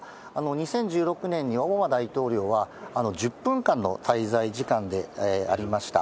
２０１６年にオバマ大統領は１０分間の滞在時間でありました。